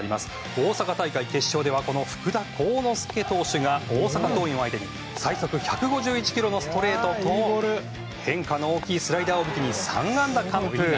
大阪大会決勝では福田幸之介投手が大阪桐蔭を相手に最速１５１キロのストレートと変化の大きいスライダーを武器に３安打完封。